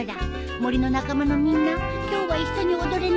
森の仲間のみんな今日は一緒に踊れない。